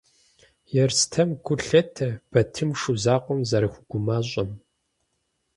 Ерстэм гу лъетэ Батым Шу закъуэм зэрыхуэгумащӏэм.